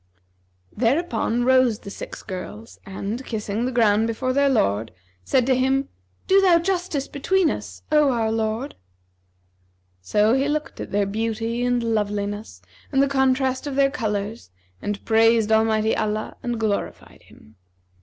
Thereupon rose the six girls and, kissing the ground before their lord, said to him, 'Do thou justice between us, O our lord!' So he looked at their beauty and loveliness and the contrast of their colours and praised Almighty Allah and glorified Him.